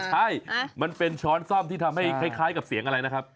ใช่มันเป็นช้อนซ่อมที่ทำให้คล้ายกับเสียงอะไรนะครับ